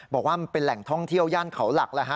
บอกว่ามันเป็นแหล่งท่องเที่ยวย่านเขาหลักแล้วฮะ